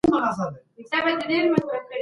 تاسي کله د پښتو کتابتون ته نوي کتابونه ډالۍ کړل؟